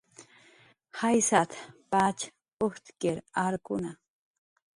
"Jaysat"" pach ujtkir arkuna"